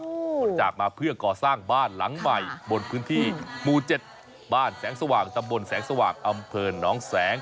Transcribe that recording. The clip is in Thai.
จากมาเพื่อก่อสร้างบ้านหลังใหม่บนพื้นที่หมู่๗บ้านแสงสว่างตำบลแสงสว่างอำเภอน้องแสง